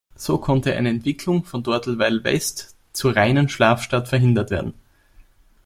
So konnte eine Entwicklung von Dortelweil-West zur reinen Schlafstadt verhindert werden.